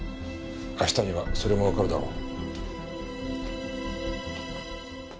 明日にはそれもわかるだろう。